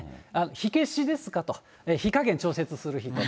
火消しですか、火加減調節する人。